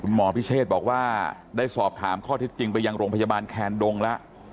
หมอพิเชษบอกว่าได้สอบถามข้อเท็จจริงไปยังโรงพยาบาลแคนดงแล้ว